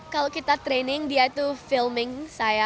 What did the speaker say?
kalau kita training dia itu filming saya